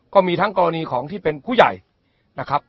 ก็มีทั้งกรณีของที่เป็นผู้ใหญ่นะครับ